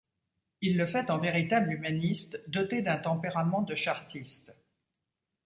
Il le fait en véritable humaniste doté d’un tempérament de chartiste.